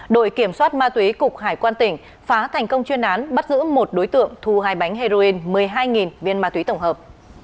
đội kiểm soát ma túy cục hải quan tỉnh phá thành công chuyên án bắt giữ một đối tượng thu hai bánh heroin một mươi hai viên ma túy tổng hợp